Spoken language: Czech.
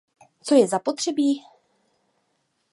Co je zapotřebí?